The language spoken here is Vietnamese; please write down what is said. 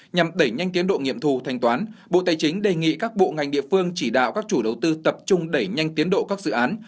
nhằm đẩy nhanh tiến độ nghiệm thù thanh toán bộ tài chính đề nghị các bộ ngành địa phương chỉ đạo các chủ đầu tư tập trung đẩy nhanh tiến độ các dự án